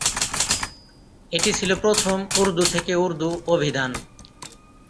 এটি ছিল প্রথম উর্দু থেকে উর্দু অভিধান।